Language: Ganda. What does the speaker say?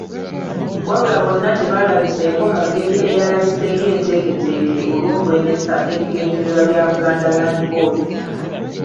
Wabula bonna tebaalabiseeko mu ngeri eyalabise ng’enteeketeeke olwokulemesa ebigendererwa bya Buganda Land Board.